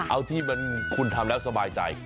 เอาที่มันคุณทำแล้วสบายใจ